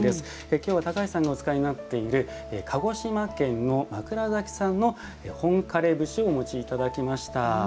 今日は高橋さんがお使いになっている鹿児島県の枕崎産の本枯節をお持ちいただきました。